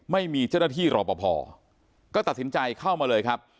ไม่มีเจ้าหน้าที่รอปภก็ตัดสินใจเข้ามาเลยครับ